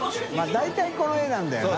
大体この絵なんだよな。